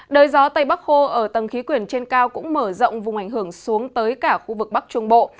đời gió tây bắc khô ở tầng khí quyển trên cao cũng mở rộng vùng ảnh hưởng xuống tới cả khu vực bắc trung bộ